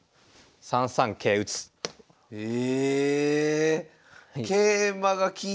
３三桂打。ええ！